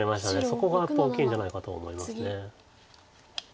そこがやっぱり大きいんじゃないかと思います。